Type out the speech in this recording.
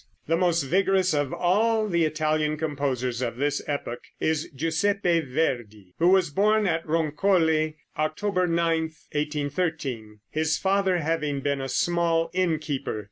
] The most vigorous of all the Italian composers of this epoch is Giuseppe Verdi, who was born at Roncole, October 9, 1813, his father having been a small inn keeper.